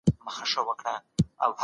هنري تخیل داستان ته یو ځانګړی روح بښي.